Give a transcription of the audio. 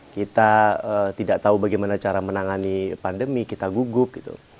kita tidak tahu bagaimana cara menangani pandemi kita gugup gitu